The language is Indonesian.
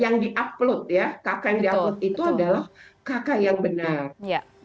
yang di upload ya kakak yang di upload itu adalah kakak yang benar